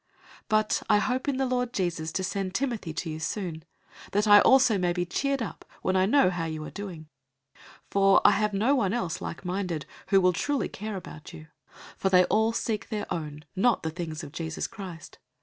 002:019 But I hope in the Lord Jesus to send Timothy to you soon, that I also may be cheered up when I know how you are doing. 002:020 For I have no one else like minded, who will truly care about you. 002:021 For they all seek their own, not the things of Jesus Christ.